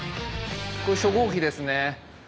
これ初号機ですね。